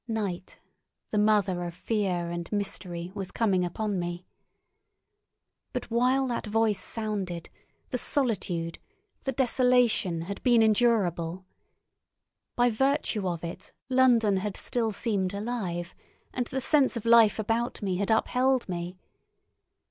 Night, the mother of fear and mystery, was coming upon me. But while that voice sounded the solitude, the desolation, had been endurable; by virtue of it London had still seemed alive, and the sense of life about me had upheld me.